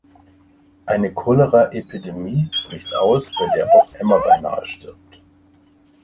Eine Cholera-Epidemie bricht aus, bei der auch Emma beinahe stirbt.